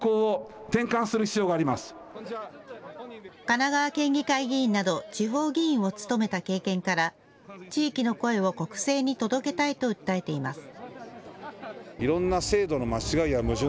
神奈川県議会議員など、地方議員を務めた経験から地域の声を国政に届けたいと訴えています。